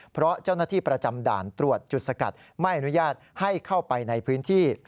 เพราะเจ้าหน้าที่ประจำด่านตรวจจุดสกัดไม่อนุญาตให้เข้าไปในพื้นที่